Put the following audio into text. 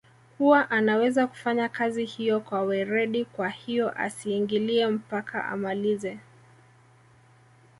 kuwa anaweza kufanya kazi hiyo kwa weredi kwahiyo asiingilie mpaka amalize